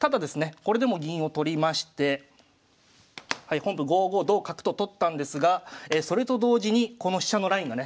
これでも銀を取りまして本譜５五同角と取ったんですがそれと同時にこの飛車のラインがね